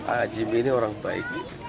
a a jimmy ini orang baik